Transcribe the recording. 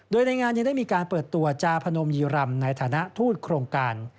โดยในงานยังได้มีการเปิดตัวจาพนมยีรำในฐานะทูตโครงการ